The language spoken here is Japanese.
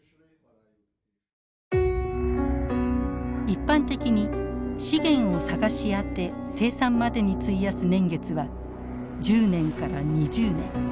一般的に資源を探し当て生産までに費やす年月は１０年から２０年。